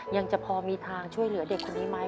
ยังจะพอมีทางช่วยเหลือเด็กคนนี้ไหม